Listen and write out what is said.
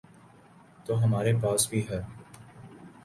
تو ہمارے پاس بھی ہے۔